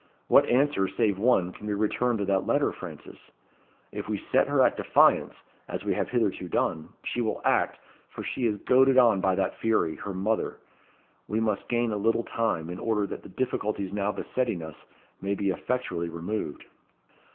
What answer, save one, can be returned to that letter, Frances? If we set her at defiance, as we have hitherto done, she will act, for she is goaded on by that fury, her mother. We must gain a little time, in order that the difficulties now besetting us may be effectually removed."